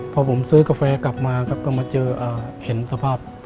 พอผมซื้อกาแฟกลับมาครับก็มาเจอเห็นสภาพ